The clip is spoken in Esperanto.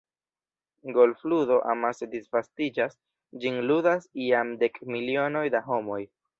Golfludo amase disvastiĝas – ĝin ludas jam dek milionoj da homoj.